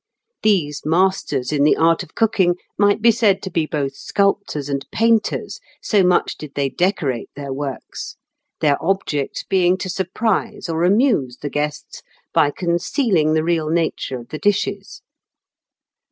These masters in the art of cooking might be said to be both sculptors and painters, so much did they decorate their works, their object being to surprise or amuse the guests by concealing the real nature of the disbes.